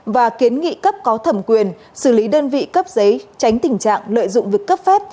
và kiến nghị cấp có thẩm quyền xử lý đơn vị cấp giấy tránh tình trạng lợi dụng việc cấp phép